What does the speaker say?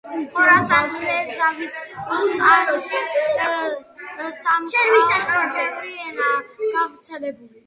ხორასან-რეზავის ოსტანში საკმაოდ ბევრი ენაა გავრცელებული.